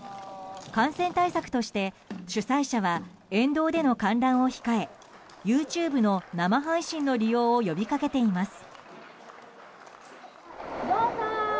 感染対策として、主催者は沿道での観覧を控えＹｏｕＴｕｂｅの生配信の利用を呼びかけています。